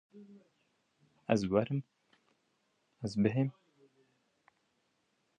Ez werim